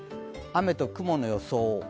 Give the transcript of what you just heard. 雨と雲の予想。